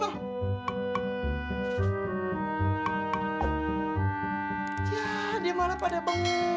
ya dia malah pada bengong